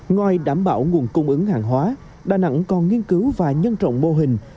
ngoài đảm bảo nguồn cung ứng hàng hóa đà nẵng còn nghiên cứu và nhân rộng mô hình